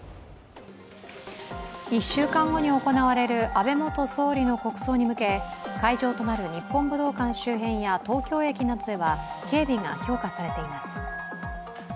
１週間後に行われる安倍元総理の国葬に向けて会場となる日本武道館周辺や東京駅などでは警備が強化されています。